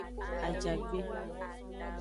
Ajagbe.